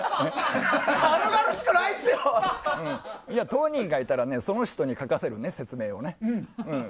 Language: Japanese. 当人がいたらその人に書かせるね、説明を。